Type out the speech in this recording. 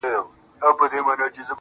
د يوسفي ښکلا چيرمنې نوره مه راگوره.